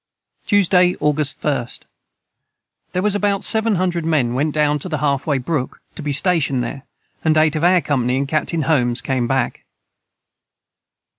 Tuesday August 1st. Their was about 700 men went down to the Half Way Brook to be stashond their and 8 of our company and Captain Holmes came back.